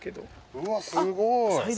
うわっすごい。